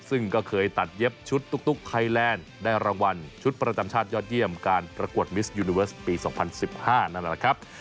ซึ่งก็เคยตัดเย็บชุดตุ๊กไทยแลนด์ได้รางวัลชุดประจำชาติยอดเยี่ยมการประกวดมิสยูนิเวสปี๒๐๑๕นั่นแหละครับ